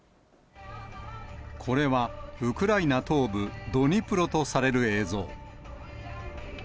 これはウクライナ東部ドニプロとされる映像。